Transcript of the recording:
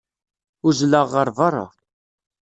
Uzzleɣ ɣer berra.